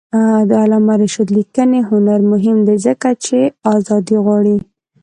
د علامه رشاد لیکنی هنر مهم دی ځکه چې آزادي غواړي.